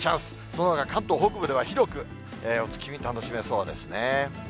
そのほか関東北部では広くお月見楽しめそうですね。